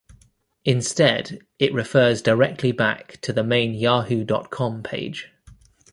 Instead, it refers directly back to the main Yahoo dot com page.